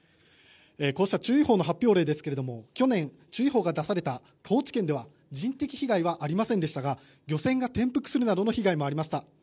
こうした注意報の発表例ですが去年注意報が出された高知県では人的被害はありませんでしたが漁船が転覆するなどの被害もありました。